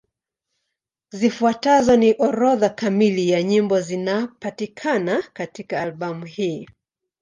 Zifuatazo ni orodha kamili ya nyimbo zinapatikana katika albamu hii.